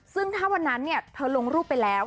ซึ่งถ้าวันนั้นเธอลงรูปไปแล้ว